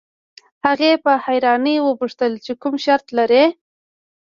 هغې په حيرانۍ وپوښتل چې کوم شرط لرئ.